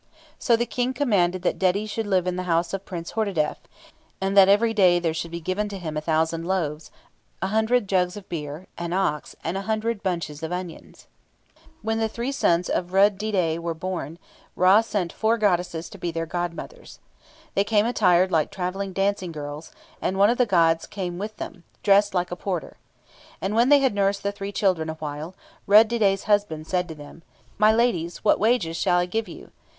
So the King commanded that Dedi should live in the house of Prince Hordadef; and that every day there should be given to him a thousand loaves, a hundred jugs of beer, an ox, and a hundred bunches of onions! When the three sons of Rud didet were born, Ra sent four goddesses to be their godmothers. They came attired like travelling dancing girls; and one of the gods came with them, dressed like a porter. And when they had nursed the three children awhile, Rud didet's husband said to them, "My ladies, what wages shall I give you?"